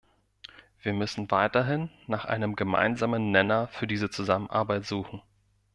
Wir müssen weiterhin nach einem gemeinsamen Nenner für diese Zusammenarbeit suchen.